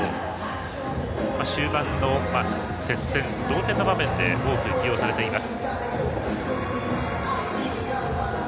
終盤の接戦や同点の場面で多く起用されています。